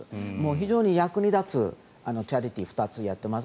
非常に役に立つチャリティー２つやってます。